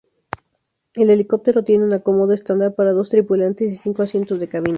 El helicóptero tiene un acomodo estándar para dos tripulantes y cinco asientos de cabina.